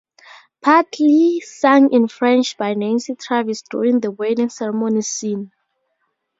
Partly sung in French by Nancy Travis during the wedding ceremony scene.